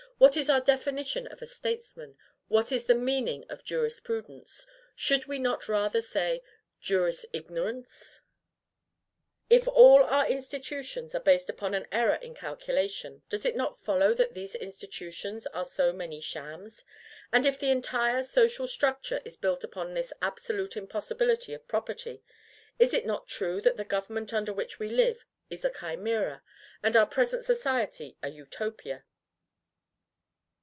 What is our definition of a STATESMAN? What is the meaning of JURISPRUDENCE? Should we not rather say JURISIGNORANCE? If all our institutions are based upon an error in calculation, does it not follow that these institutions are so many shams? And if the entire social structure is built upon this absolute impossibility of property, is it not true that the government under which we live is a chimera, and our present society a utopia?